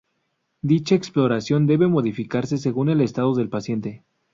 Dicha exploración debe modificarse según el estado del paciente.